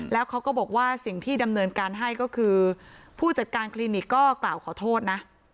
แล้วเขาก็บอกว่าสิ่งที่ดำเนินการให้ก็คือผู้จัดการคลินิกก็กล่าวขอโทษนะ